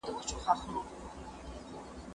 زه له سهاره کتابونه ليکم،،